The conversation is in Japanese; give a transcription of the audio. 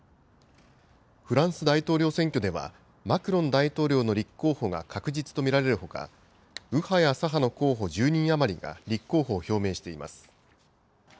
フランス大統領選挙では、マクロン大統領の立候補が確実と見られるほか、右派や左派の候補１０人余りが立候補を表明しています。